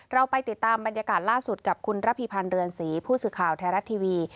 เราไปติดตามบรรยากาศล่าสุดกับคุณระพีพันธ์เรือนศรีผู้สื่อข่าวไทยรัฐทีวี